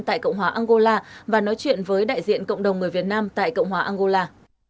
tại cộng hòa angola và nói chuyện với đại diện cộng đồng người việt nam tại cộng hòa angola